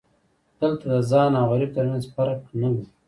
دلته د خان او غریب ترمنځ فرق نه و.